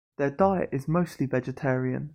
Their diet is mostly vegetarian.